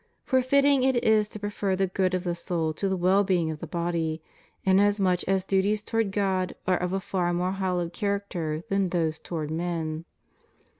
For fitting it is to prefer the good of the soul to the well being of the body, inasmuch as duties toward God are of a far more hallowed character than those toward men.